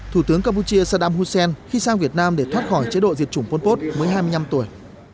thủ tướng campuchia sadam hussen khi sang việt nam để thoát khỏi chế độ diệt chủng pol pot mới hai mươi năm tuổi